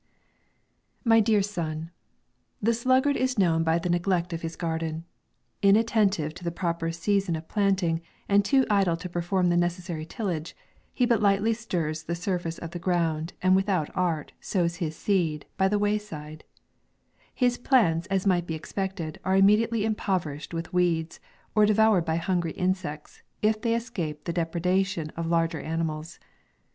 Mv Dear Sox, The sluggard is known by the neglect of his garden. Inattentive to the proper sea son of planting, and too idle to perform the necessary tillage, he but lightly stirs the sur face of the ground, and without art, sows his seed u by the way side" His plants, as might be expected, are immediately impoverished with weeds, or devoured by hungry insects, if they escape the depredation of larger ani mals.